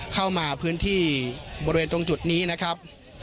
เข้ามาพื้นที่บริเวณตรงจุดนี้นะครับ